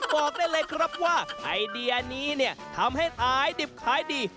บอกได้เลยครับว่าไอเดียนี้เนี่ยทำให้ขายดิบขายดี